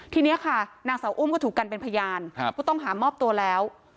ทีนี้ค่ะนางสาวอุ้มก็ถูกกันเป็นพยานผู้ต้องหามอบตัวแล้ว